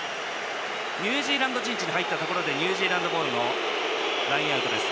ニュージーランド陣地に入ったところでニュージーランドボールのラインアウトです。